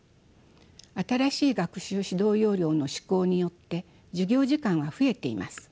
新しい学習指導要領の施行によって授業時間は増えています。